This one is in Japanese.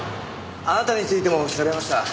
あなたについても調べました。